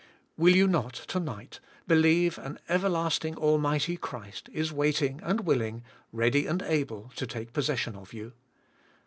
Will you not, to night, believe an Everlasting Almighty Christ is waiting and willing, read}' and able, to take possession of you